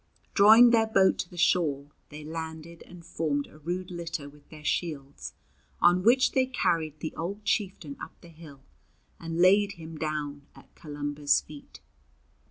Drawing their boat to the shore, they landed and formed a rude litter with their shields, on which they carried the old chieftain up the hill and laid him down at Columba's feet.